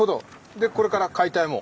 でこれから解体も？